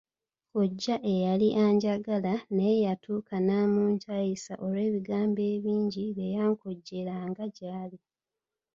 Kkojja eyali anjagala naye yatuuka n'amunkyayisa olw'ebigambo ebingi bye yankonjeranga gyali.